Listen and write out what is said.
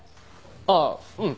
ああうん。